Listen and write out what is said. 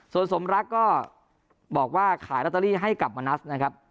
ส่วนสมรักก็บอกว่าขายลอตเตอรี่ให้กับมณัสนะครับ